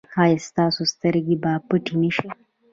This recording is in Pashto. ایا ستاسو سترګې به پټې نه شي؟